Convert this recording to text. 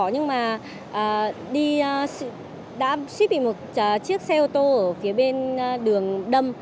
nhưng mà đi đã suýt bị một chiếc xe ô tô ở phía bên đường đâm